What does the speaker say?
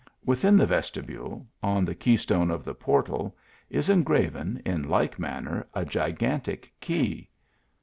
Within the vestibule, on the key stone of the portal, is engraven, in like manner, a gigantic key.